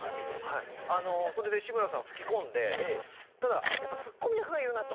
はいそれで志村さん吹き込んでただやっぱツッコミ役がいるなと。